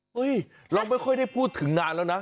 เราไม่ค่อยได้พูดถึงนานแล้วนะ